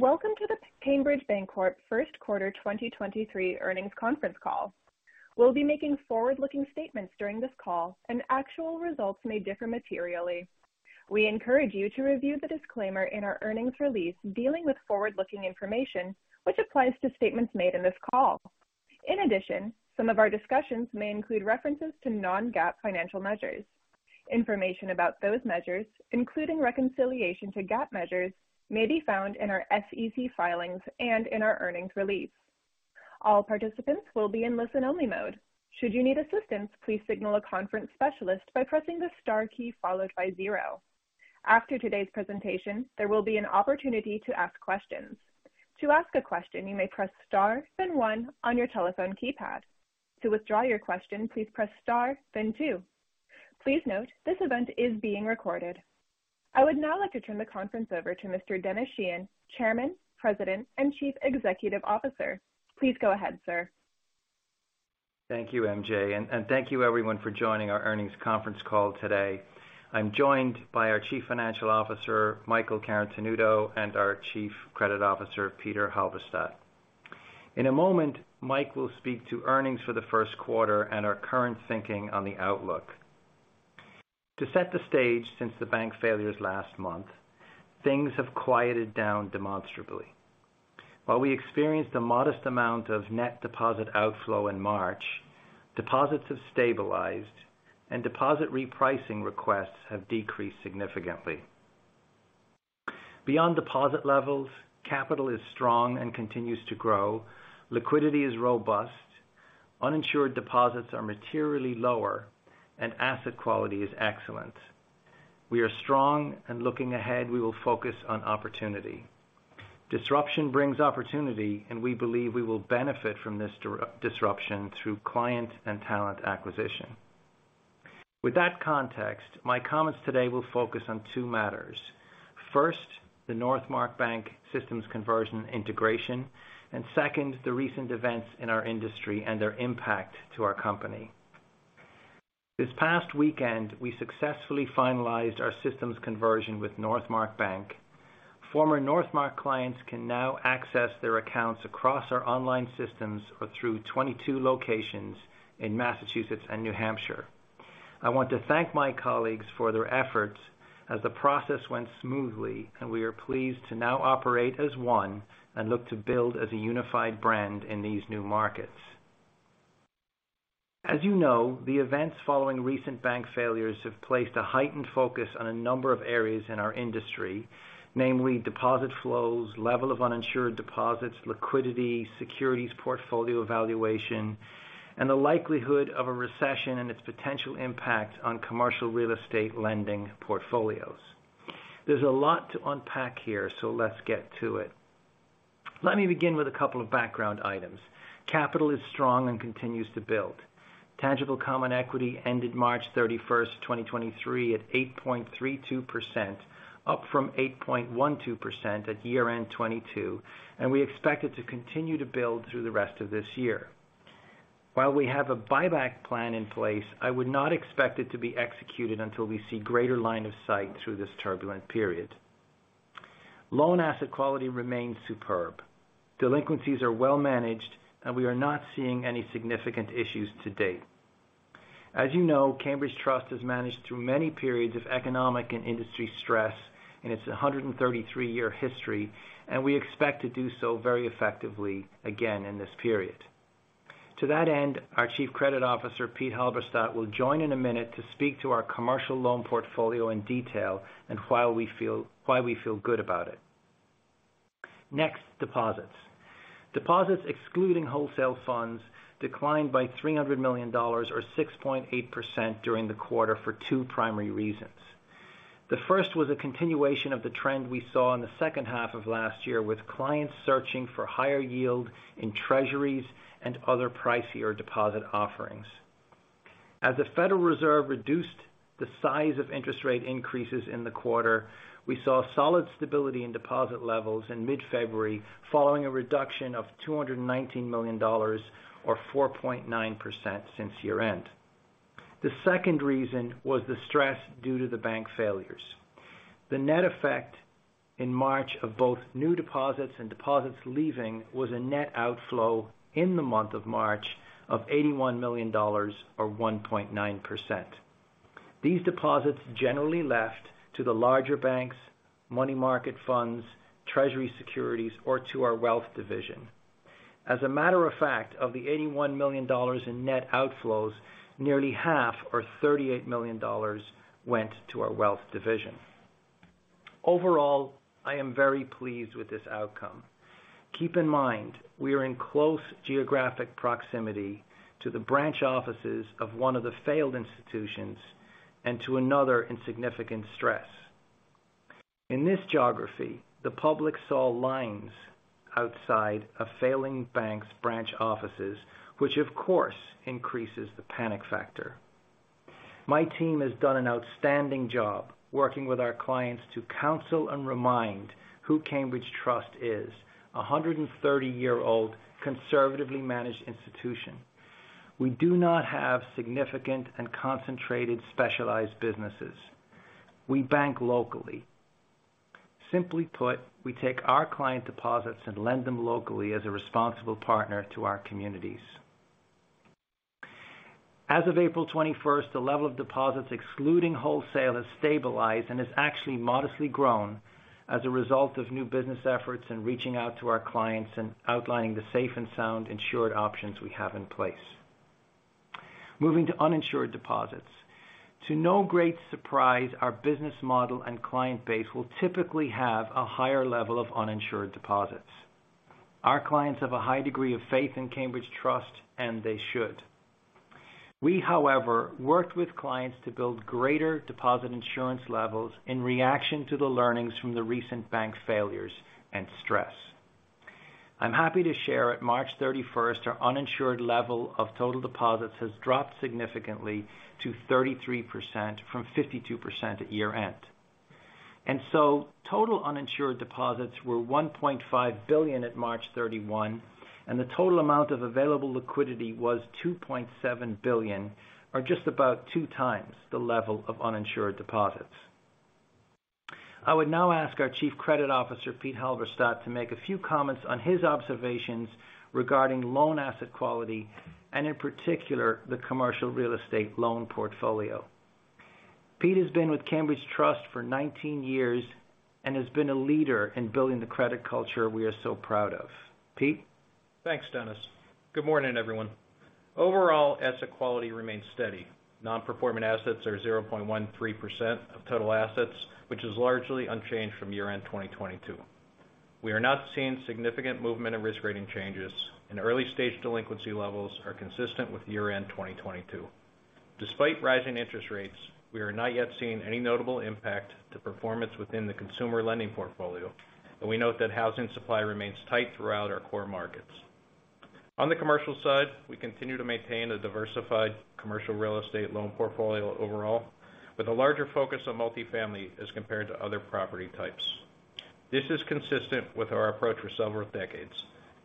Welcome to the Cambridge Bancorp first quarter 2023 earnings conference call. We'll be making forward-looking statements during this call and actual results may differ materially. We encourage you to review the disclaimer in our earnings release dealing with forward-looking information, which applies to statements made in this call. In addition, some of our discussions may include references to non-GAAP financial measures. Information about those measures, including reconciliation to GAAP measures, may be found in our SEC filings and in our earnings release. All participants will be in listen-only mode. Should you need assistance, please signal a conference specialist by pressing the star key followed by zero. After today's presentation, there will be an opportunity to ask questions. To ask a question, you may press star then 1 on your telephone keypad. To withdraw your question, please press star then two. Please note, this event is being recorded. I would now like to turn the conference over to Mr. Denis Sheahan, Chairman, President, and Chief Executive Officer. Please go ahead, sir. Thank you, MJ. Thank you everyone for joining our earnings conference call today. I'm joined by our Chief Financial Officer, Michael Carotenuto, and our Chief Credit Officer, Peter Halberstadt. In a moment, Mike will speak to earnings for the first quarter and our current thinking on the outlook. To set the stage since the bank failures last month, things have quieted down demonstrably. While we experienced a modest amount of net deposit outflow in March, deposits have stabilized and deposit repricing requests have decreased significantly. Beyond deposit levels, capital is strong and continues to grow. Liquidity is robust. Uninsured deposits are materially lower, and asset quality is excellent. We are strong, and looking ahead, we will focus on opportunity. Disruption brings opportunity, and we believe we will benefit from this disruption through client and talent acquisition. With that context, my comments today will focus on two matters. First, the Northmark Bank systems conversion integration. Second, the recent events in our industry and their impact to our company. This past weekend, we successfully finalized our systems conversion with Northmark Bank. Former Northmark clients can now access their accounts across our online systems or through 22 locations in Massachusetts and New Hampshire. I want to thank my colleagues for their efforts as the process went smoothly. We are pleased to now operate as one and look to build as a unified brand in these new markets. As you know, the events following recent bank failures have placed a heightened focus on a number of areas in our industry, namely deposit flows, level of uninsured deposits, liquidity, securities portfolio evaluation, and the likelihood of a recession and its potential impact on commercial real estate lending portfolios. There's a lot to unpack here. Let's get to it. Let me begin with a couple of background items. Capital is strong and continues to build. Tangible common equity ended March 31, 2023, at 8.32%, up from 8.12% at year-end 2022, and we expect it to continue to build through the rest of this year. While we have a buyback plan in place, I would not expect it to be executed until we see greater line of sight through this turbulent period. Loan asset quality remains superb. Delinquencies are well managed, and we are not seeing any significant issues to date. As you know, Cambridge Trust has managed through many periods of economic and industry stress in its 133-year history, and we expect to do so very effectively again in this period. To that end, our Chief Credit Officer, Peter Halberstadt, will join in a minute to speak to our commercial loan portfolio in detail and why we feel good about it. Deposits. Deposits excluding wholesale funds declined by $300 million or 6.8% during the quarter for two primary reasons. The first was a continuation of the trend we saw in the second half of last year with clients searching for higher yield in treasuries and other pricier deposit offerings. The Federal Reserve reduced the size of interest rate increases in the quarter, we saw solid stability in deposit levels in mid-February following a reduction of $219 million or 4.9% since year-end. The second reason was the stress due to the bank failures. The net effect in March of both new deposits and deposits leaving was a net outflow in the month of March of $81 million or 1.9%. These deposits generally left to the larger banks, money market funds, treasury securities, or to our wealth division. As a matter of fact, of the $81 million in net outflows, nearly half or $38 million went to our wealth division. Overall, I am very pleased with this outcome. Keep in mind, we are in close geographic proximity to the branch offices of one of the failed institutions and to another in significant stress. In this geography, the public saw lines outside a failing bank's branch offices, which of course increases the panic factor. My team has done an outstanding job working with our clients to counsel and remind who Cambridge Trust is, a 130-year-old conservatively managed institution. We do not have significant and concentrated specialized businesses. We bank locally. Simply put, we take our client deposits and lend them locally as a responsible partner to our communities. As of April 21st, the level of deposits excluding wholesale has stabilized and has actually modestly grown as a result of new business efforts in reaching out to our clients and outlining the safe and sound insured options we have in place. Moving to uninsured deposits. To no great surprise, our business model and client base will typically have a higher level of uninsured deposits. Our clients have a high degree of faith in Cambridge Trust, and they should. We, however, worked with clients to build greater deposit insurance levels in reaction to the learnings from the recent bank failures and stress. I'm happy to share at March 31st, our uninsured level of total deposits has dropped significantly to 33% from 52% at year-end. Total uninsured deposits were $1.5 billion at March 31, and the total amount of available liquidity was $2.7 billion, or just about two times the level of uninsured deposits. I would now ask our Chief Credit Officer, Peter Halberstadt, to make a few comments on his observations regarding loan asset quality and in particular, the commercial real estate loan portfolio. Pete has been with Cambridge Trust for 19 years and has been a leader in building the credit culture we are so proud of. Pete? Thanks, Denis. Good morning, everyone. Overall, asset quality remains steady. Non-performing assets are 0.13% of total assets, which is largely unchanged from year-end 2022. We are not seeing significant movement in risk rating changes, and early-stage delinquency levels are consistent with year-end 2022. Despite rising interest rates, we are not yet seeing any notable impact to performance within the consumer lending portfolio, and we note that housing supply remains tight throughout our core markets. On the commercial side, we continue to maintain a diversified commercial real estate loan portfolio overall, with a larger focus on multifamily as compared to other property types. This is consistent with our approach for several decades,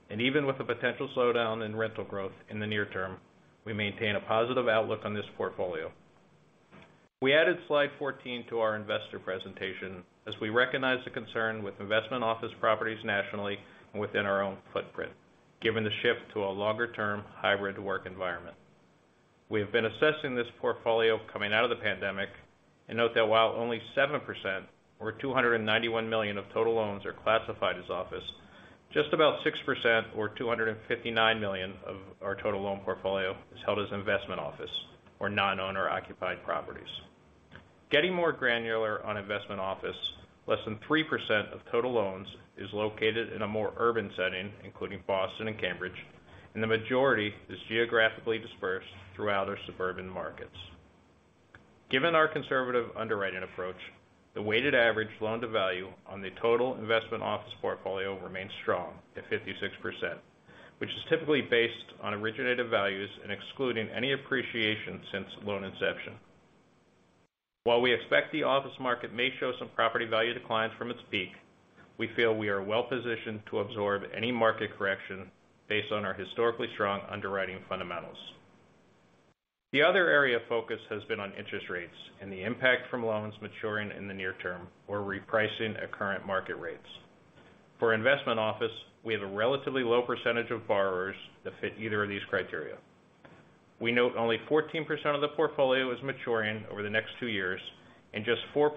and even with a potential slowdown in rental growth in the near term, we maintain a positive outlook on this portfolio. We added slide 14 to our investor presentation as we recognize the concern with investment office properties nationally and within our own footprint, given the shift to a longer-term hybrid work environment. We have been assessing this portfolio coming out of the pandemic and note that while only 7% or $291 million of total loans are classified as office, just about 6% or $259 million of our total loan portfolio is held as investment office or non-owner-occupied properties. Getting more granular on investment office, less than 3% of total loans is located in a more urban setting, including Boston and Cambridge, and the majority is geographically dispersed throughout our suburban markets. Given our conservative underwriting approach, the weighted average loan-to-value on the total investment office portfolio remains strong at 56%, which is typically based on originated values and excluding any appreciation since loan inception. While we expect the office market may show some property value declines from its peak, we feel we are well-positioned to absorb any market correction based on our historically strong underwriting fundamentals. The other area of focus has been on interest rates and the impact from loans maturing in the near term or repricing at current market rates. For investment office, we have a relatively low percentage of borrowers that fit either of these criteria. We note only 14% of the portfolio is maturing over the next two years and just 4%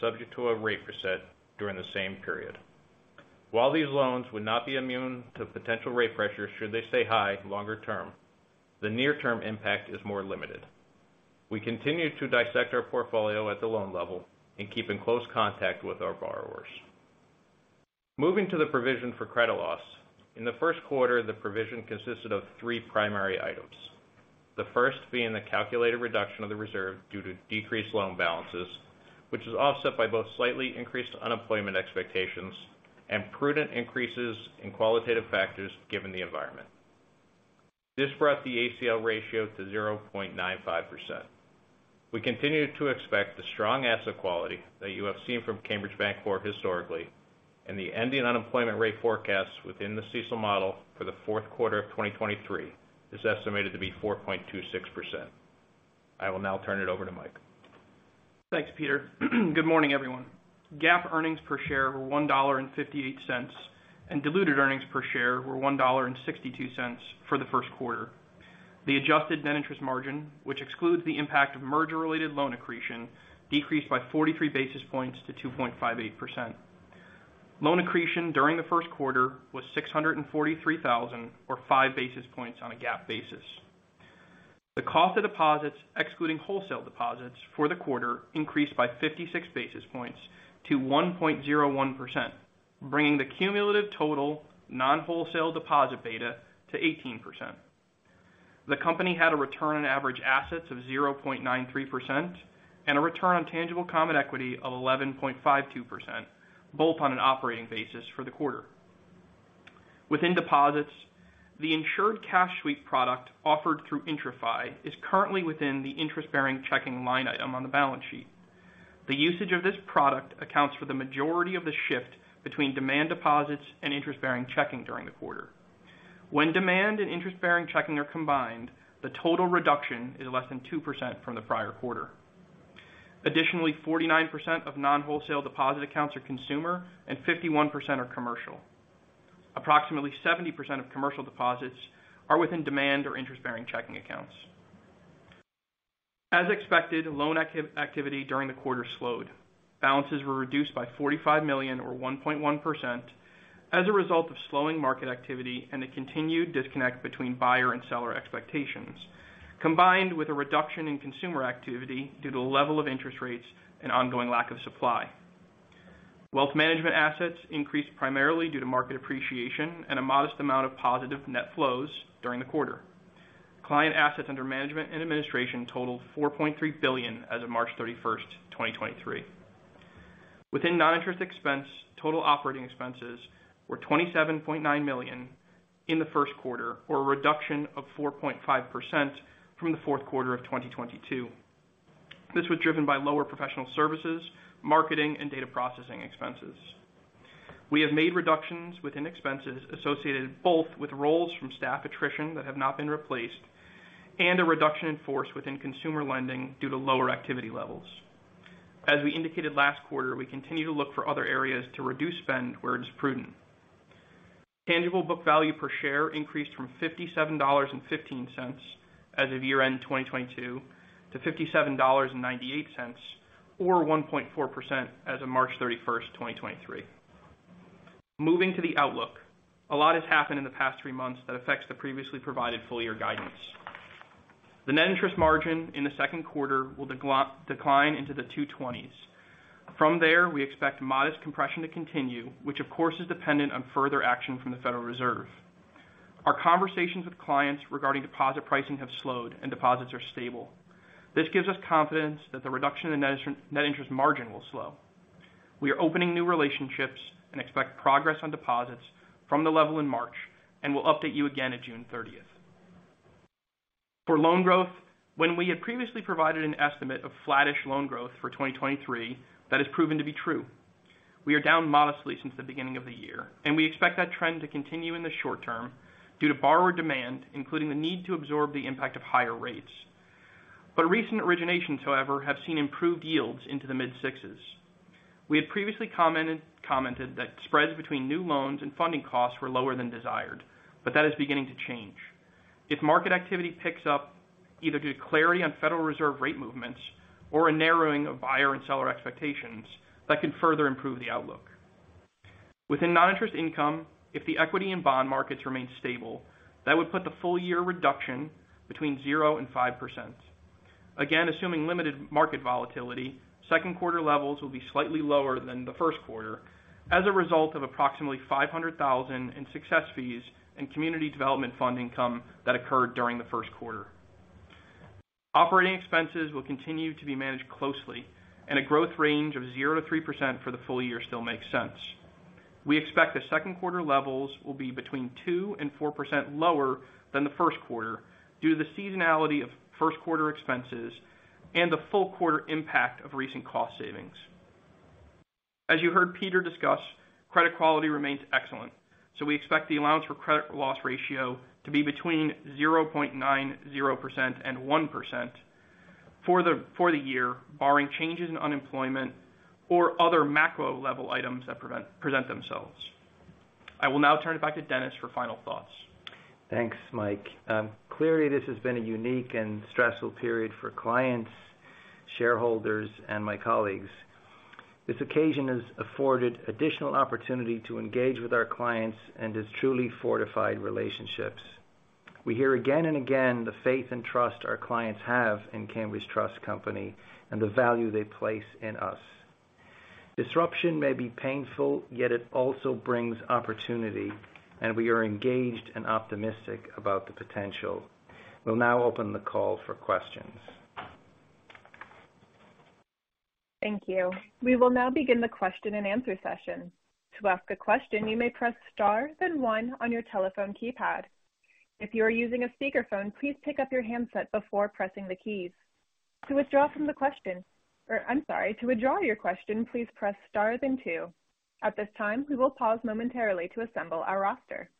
subject to a rate reset during the same period. While these loans would not be immune to potential rate pressure should they stay high longer term, the near-term impact is more limited. We continue to dissect our portfolio at the loan level and keep in close contact with our borrowers. Moving to the provision for credit losses. In the first quarter, the provision consisted of three primary items. The first being the calculated reduction of the reserve due to decreased loan balances, which is offset by both slightly increased unemployment expectations and prudent increases in qualitative factors given the environment. This brought the ACL ratio to 0.95%. We continue to expect the strong asset quality that you have seen from Cambridge Bancorp historically. The ending unemployment rate forecast within the CECL model for the fourth quarter of 2023 is estimated to be 4.26%. I will now turn it over to Mike. Thanks, Peter. Good morning, everyone. GAAP earnings per share were $1.58, diluted earnings per share were $1.62 for the first quarter. The adjusted net interest margin, which excludes the impact of merger-related loan accretion, decreased by 43 basis points to 2.58%. Loan accretion during the first quarter was $643,000 or 5 basis points on a GAAP basis. The cost of deposits, excluding wholesale deposits for the quarter, increased by 56 basis points to 1.01%, bringing the cumulative total non-wholesale deposit beta to 18%. The company had a return on average assets of 0.93% and a return on tangible common equity of 11.52%, both on an operating basis for the quarter. Within deposits, the Insured Cash Sweep product offered through IntraFi is currently within the interest-bearing checking line item on the balance sheet. The usage of this product accounts for the majority of the shift between demand deposits and interest-bearing checking during the quarter. When demand and interest-bearing checking are combined, the total reduction is less than 2% from the prior quarter. 49% of non-wholesale deposit accounts are consumer and 51% are commercial. Approximately 70% of commercial deposits are within demand or interest-bearing checking accounts. As expected, loan activity during the quarter slowed. Balances were reduced by $45 million or 1.1% as a result of slowing market activity and the continued disconnect between buyer and seller expectations, combined with a reduction in consumer activity due to the level of interest rates and ongoing lack of supply. Wealth management assets increased primarily due to market appreciation and a modest amount of positive net flows during the quarter. Client assets under management and administration totaled $4.3 billion as of March 31, 2023. Within non-interest expense, total operating expenses were $27.9 million in the 1st quarter, or a reduction of 4.5% from the 4th quarter of 2022. This was driven by lower professional services, marketing, and data processing expenses. We have made reductions within expenses associated both with roles from staff attrition that have not been replaced and a reduction in force within consumer lending due to lower activity levels. As we indicated last quarter, we continue to look for other areas to reduce spend where it is prudent. Tangible book value per share increased from $57.15 as of year-end 2022 to $57.98, or 1.4% as of March 31, 2023. Moving to the outlook. A lot has happened in the past three months that affects the previously provided full year guidance. The net interest margin in the second quarter will decline into the two twenties. From there, we expect modest compression to continue, which of course is dependent on further action from the Federal Reserve. Our conversations with clients regarding deposit pricing have slowed and deposits are stable. This gives us confidence that the reduction in net interest margin will slow. We are opening new relationships and expect progress on deposits from the level in March, and we'll update you again at June 30th. For loan growth, when we had previously provided an estimate of flattish loan growth for 2023, that has proven to be true. We are down modestly since the beginning of the year, and we expect that trend to continue in the short term due to borrower demand, including the need to absorb the impact of higher rates. Recent originations, however, have seen improved yields into the mid-sixs. We had previously commented that spreads between new loans and funding costs were lower than desired, but that is beginning to change. If market activity picks up, either due to clarity on Federal Reserve rate movements or a narrowing of buyer and seller expectations, that could further improve the outlook. Within non-interest income, if the equity and bond markets remain stable, that would put the full year reduction between 0% and 5%. Again, assuming limited market volatility, second quarter levels will be slightly lower than the first quarter as a result of approximately $500,000 in success fees and community development fund income that occurred during the first quarter. Operating expenses will continue to be managed closely. A growth range of 0%-3% for the full year still makes sense. We expect the second quarter levels will be between 2% and 4% lower than the first quarter due to the seasonality of first quarter expenses and the full quarter impact of recent cost savings. As you heard Peter discuss, credit quality remains excellent. We expect the allowance for credit loss ratio to be between 0.90% and 1% for the year, barring changes in unemployment or other macro level items that present themselves. I will now turn it back to Denis for final thoughts. Thanks, Mike. Clearly this has been a unique and stressful period for clients, shareholders, and my colleagues. This occasion has afforded additional opportunity to engage with our clients and has truly fortified relationships. We hear again and again the faith and trust our clients have in Cambridge Trust Company and the value they place in us. Disruption may be painful, yet it also brings opportunity, and we are engaged and optimistic about the potential. We'll now open the call for questions. Thank you. We will now begin the question and answer session. To ask a question, you may press star, then one on your telephone keypad. If you are using a speakerphone, please pick up your handset before pressing the keys. I'm sorry. To withdraw your question, please press star, then two. At this time, we will pause momentarily to assemble our roster.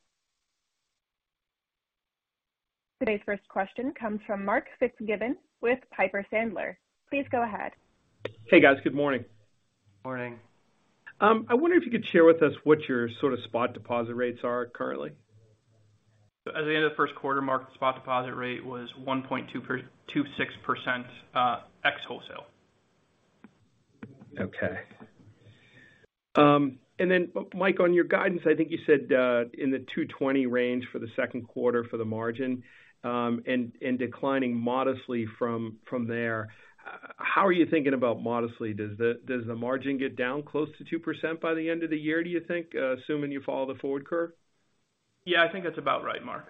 Today's first question comes from Mark Fitzgibbon with Piper Sandler. Please go ahead. Hey, guys. Good morning. Morning. I wonder if you could share with us what your sort of spot deposit rates are currently? At the end of the first quarter, Mark, the spot deposit rate was 1.226% ex-wholesale. Okay. Then Mike, on your guidance, I think you said in the 220 range for the second quarter for the margin, and declining modestly from there. How are you thinking about modestly? Does the margin get down close to 2% by the end of the year, do you think, assuming you follow the forward curve? Yeah, I think that's about right, Mark.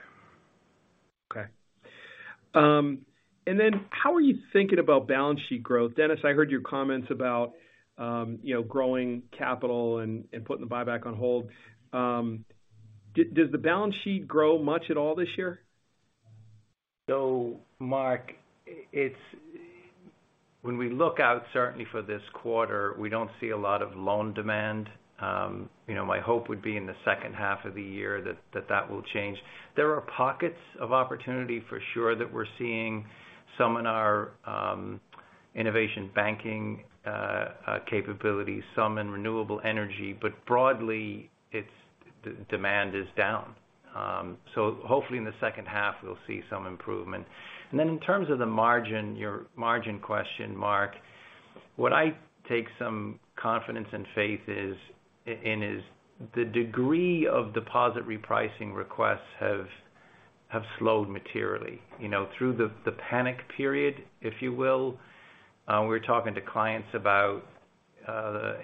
Okay. How are you thinking about balance sheet growth? Dennis, I heard your comments about, you know, growing capital and putting the buyback on hold. Does the balance sheet grow much at all this year? Mark, when we look out certainly for this quarter, we don't see a lot of loan demand. You know, my hope would be in the second half of the year that will change. There are pockets of opportunity for sure that we're seeing some in our innovation banking capabilities, some in renewable energy, but broadly its demand is down. Hopefully in the second half, we'll see some improvement. Then in terms of the margin, your margin question, Mark, what I take some confidence and faith is in the degree of deposit repricing requests have slowed materially. You know, through the panic period, if you will, we were talking to clients about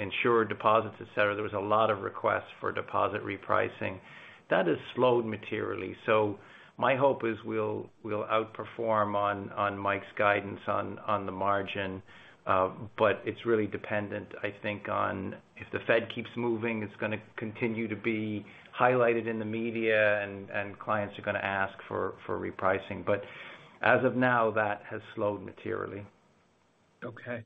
insurer deposits, et cetera. There was a lot of requests for deposit repricing. That has slowed materially. My hope is we'll outperform on Mike's guidance on the margin. It's really dependent, I think, on if the Fed keeps moving, it's gonna continue to be highlighted in the media and clients are gonna ask for repricing. As of now, that has slowed materially. Okay.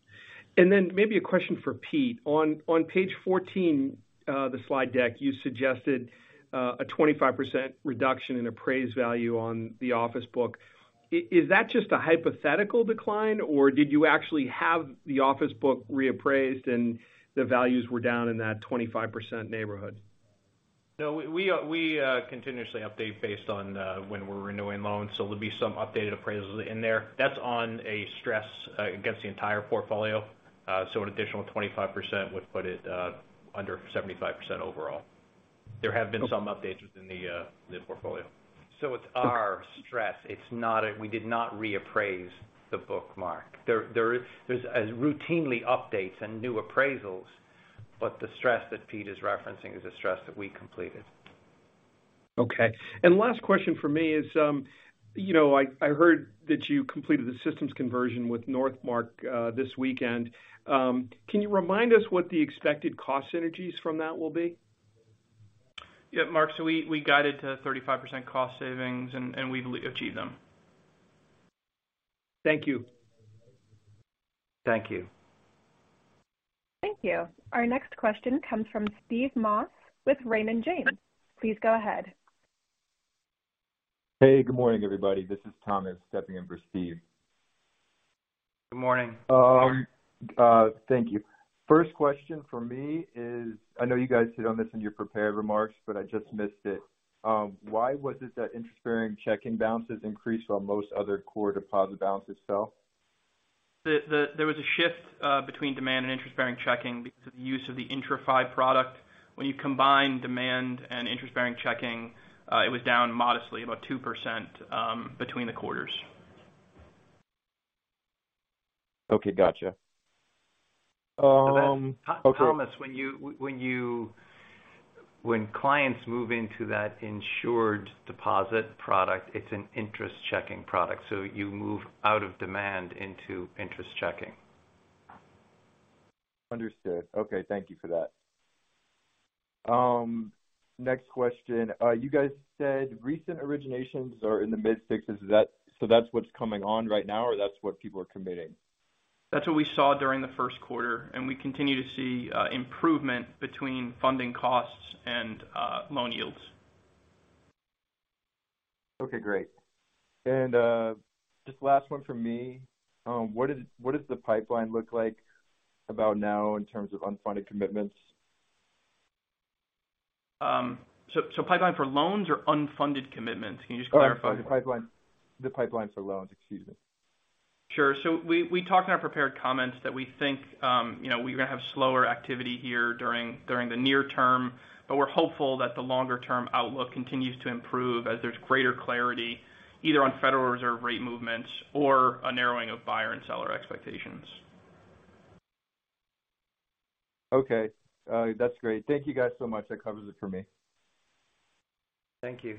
Then maybe a question for Pete. On page 14, the slide deck, you suggested a 25% reduction in appraised value on the office book. Is that just a hypothetical decline, or did you actually have the office book reappraised and the values were down in that 25% neighborhood? No, we continuously update based on when we're renewing loans, so there'll be some updated appraisals in there. That's on a stress against the entire portfolio. An additional 25% would put it under 75% overall. There have been some updates within the portfolio. It's our stress. It's not we did not reappraise the bookmark. There's a routinely updates and new appraisals, the stress that Pete is referencing is a stress that we completed. Okay. Last question for me is, you know, I heard that you completed the systems conversion with Northmark, this weekend. Can you remind us what the expected cost synergies from that will be? Yeah, Mark, we guided to 35% cost savings and we've achieved them. Thank you. Thank you. Thank you. Our next question comes from Steve Moss with Raymond James. Please go ahead. Hey, good morning, everybody. This is Thomas stepping in for Steve. Good morning. thank you. First question for me is, I know you guys hit on this in your prepared remarks, but I just missed it. Why was it that interest-bearing checking balances increased while most other core deposit balances fell? There was a shift between demand and interest-bearing checking because of the use of the IntraFi product. When you combine demand and interest-bearing checking, it was down modestly about 2% between the quarters. Okay. Gotcha. Thomas, when you when clients move into that insured deposit product, it's an interest checking product, so you move out of demand into interest checking. Understood. Okay, thank you for that. Next question. You guys said recent originations are in the mid-sixes. That's what's coming on right now, or that's what people are committing? That's what we saw during the first quarter, and we continue to see improvement between funding costs and loan yields. Okay, great. Just last one from me. What does the pipeline look like about now in terms of unfunded commitments? Pipeline for loans or unfunded commitments? Can you just clarify? Oh, I'm sorry. The pipeline for loans. Excuse me. Sure. We talked in our prepared comments that we think, you know, we're gonna have slower activity here during the near term, but we're hopeful that the longer-term outlook continues to improve as there's greater clarity either on Federal Reserve rate movements or a narrowing of buyer and seller expectations. Okay. That's great. Thank you guys so much. That covers it for me. Thank you.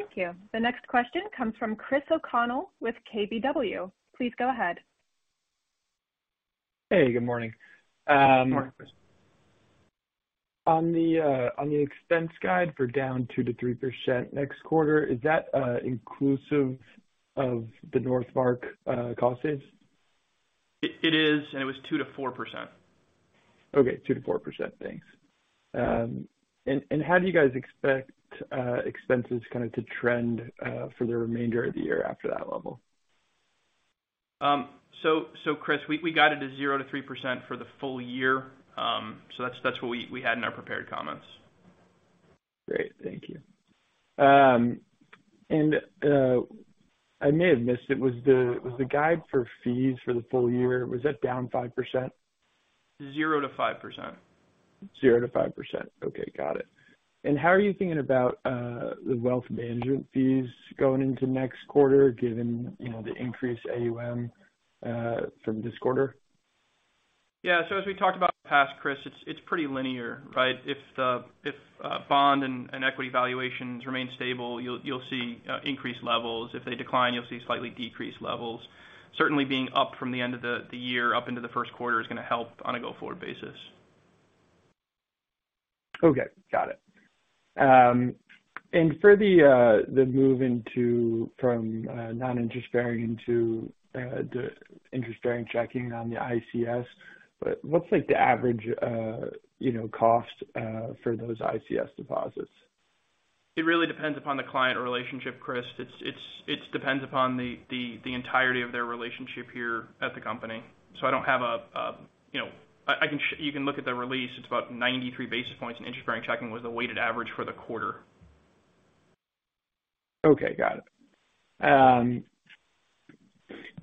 Thank you. The next question comes from Christopher O'Connell with KBW. Please go ahead. Hey, good morning. Good morning, Chris. On the expense guide for down 2%-3% next quarter, is that inclusive of the Northmark cost saves? It is, and it was 2%-4%. Okay, 2%-4%. Thanks. How do you guys expect expenses kind of to trend for the remainder of the year after that level? Chris, we guided to 0%-3% for the full year. That's what we had in our prepared comments. Great. Thank you. I may have missed it. Was the guide for fees for the full year, was that down 5%? 0%-5%. 0%-5%. Okay. Got it. How are you thinking about the wealth management fees going into next quarter, given, you know, the increased AUM from this quarter? Yeah. As we talked about in the past, Chris, it's pretty linear, right? If bond and equity valuations remain stable, you'll see increased levels. If they decline, you'll see slightly decreased levels. Certainly being up from the end of the year up into the first quarter is gonna help on a go-forward basis. Okay, got it. For the move into from non-interest bearing to the interest bearing checking on the ICS, what's like the average, you know, cost for those ICS deposits? It really depends upon the client relationship, Chris. It's, it depends upon the entirety of their relationship here at the company. I don't have a. You know, I can you can look at the release. It's about 93 basis points in interest bearing checking was the weighted average for the quarter. Okay, got it.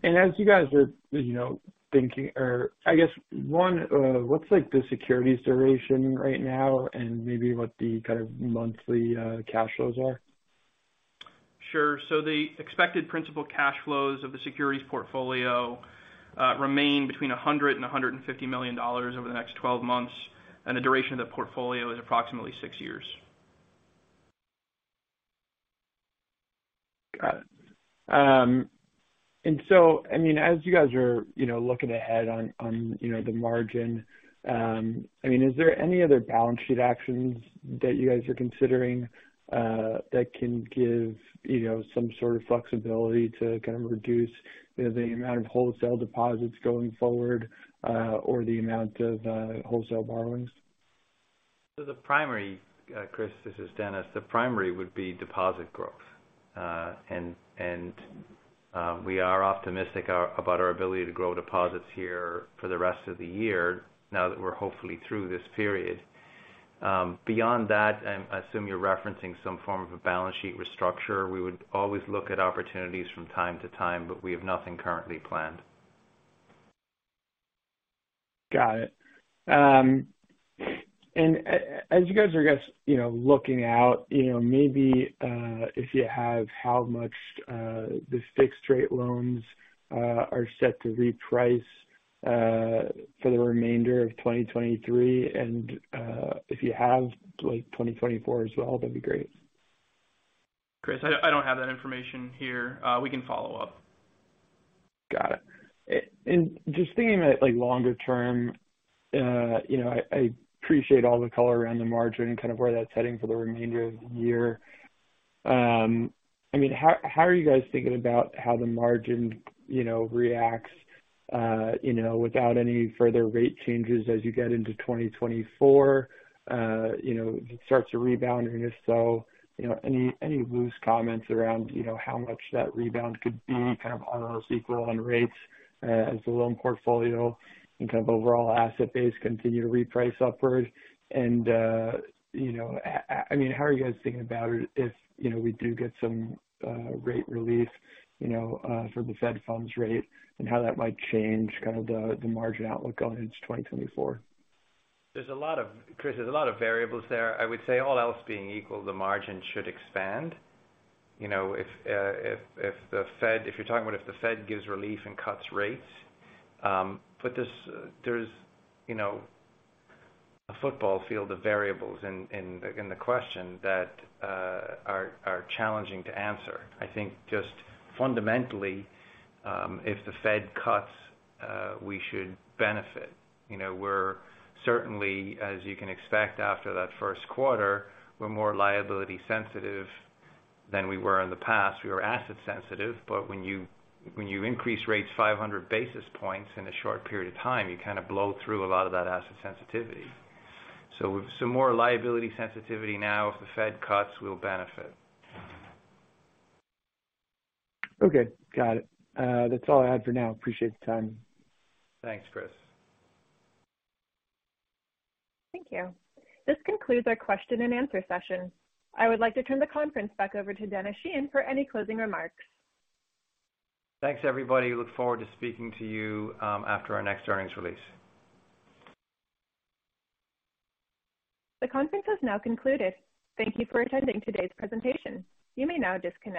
As you guys are, you know, thinking or I guess, one, what's like the securities duration right now and maybe what the kind of monthly, cash flows are? Sure. The expected principal cash flows of the securities portfolio remain between $100 million and $150 million over the next 12 months. The duration of the portfolio is approximately six years. Got it. I mean, as you guys are, you know, looking ahead on, you know, the margin, I mean, is there any other balance sheet actions that you guys are considering, that can give, you know, some sort of flexibility to kind of reduce the amount of wholesale deposits going forward, or the amount of wholesale borrowings? Chris, this is Dennis. The primary would be deposit growth. We are optimistic about our ability to grow deposits here for the rest of the year now that we're hopefully through this period. Beyond that, I assume you're referencing some form of a balance sheet restructure. We would always look at opportunities from time to time, but we have nothing currently planned. Got it. As you guys are, I guess, you know, looking out, you know, maybe, if you have, how much, the fixed rate loans are set to reprice for the remainder of 2023 and, if you have, like, 2024 as well, that'd be great. Chris, I don't have that information here. We can follow up. Got it. Just thinking about like longer term, you know, I appreciate all the color around the margin and kind of where that's heading for the remainder of the year. I mean, how are you guys thinking about how the margin, you know, reacts, you know, without any further rate changes as you get into 2024? You know, it starts to rebound. If so, you know, any loose comments around, you know, how much that rebound could be kind of all else equal on rates, as the loan portfolio and kind of overall asset base continue to reprice upwards? You know, I mean, how are you guys thinking about it if, you know, we do get some rate relief, you know, for the Fed funds rate and how that might change kind of the margin outlook going into 2024? Chris, there's a lot of variables there. I would say all else being equal, the margin should expand. You know, if you're talking about if the Fed gives relief and cuts rates. There's, you know, a football field of variables in the question that are challenging to answer. I think just fundamentally, if the Fed cuts, we should benefit. You know, we're certainly, as you can expect after that first quarter, we're more liability sensitive than we were in the past. We were asset sensitive, when you increase rates 500 basis points in a short period of time, you kind of blow through a lot of that asset sensitivity. With some more liability sensitivity now, if the Fed cuts, we'll benefit. Okay, got it. That's all I had for now. Appreciate the time. Thanks, Chris. Thank you. This concludes our question and answer session. I would like to turn the conference back over to Denis Sheahan for any closing remarks. Thanks, everybody. Look forward to speaking to you, after our next earnings release. The conference has now concluded. Thank you for attending today's presentation. You may now disconnect.